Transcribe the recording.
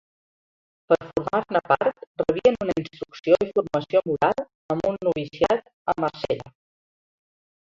Per formar-ne part rebien una instrucció i formació moral amb un noviciat a Marsella.